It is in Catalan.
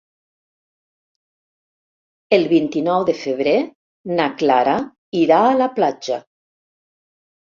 El vint-i-nou de febrer na Clara irà a la platja.